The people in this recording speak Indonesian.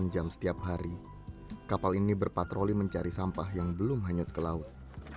enam jam setiap hari kapal ini berpatroli mencari sampah yang belum hanyut ke laut